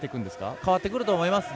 変わってくると思います。